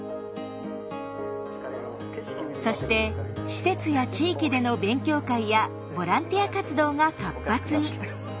そして施設や地域での勉強会やボランティア活動が活発に。